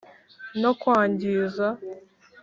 no kwangiza